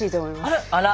あら。